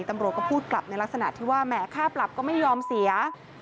ตำรวจก็พูดกลับในลักษณะที่ว่าแหมค่าปรับก็ไม่ยอมเสีย